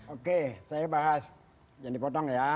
oke saya bahas yang dipotong ya